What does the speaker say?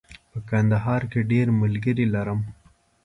په کندهار کې ډېر ملګري لرم.